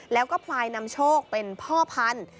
แล้วก็พลายนำโชคเป็นพ่อพันธุ์